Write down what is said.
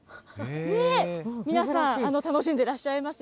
皆さん、楽しんでらっしゃいますよ。